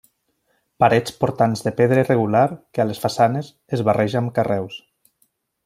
Parets portants de pedra irregular, que a les façanes es barreja amb carreus.